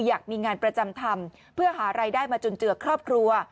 อยากมีงานประจำทำเพื่อหารายได้มาจุนเจือครอบครัว